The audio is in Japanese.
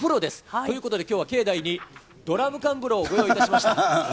ということで、きょうは境内にドラム缶風呂をご用意いたしました。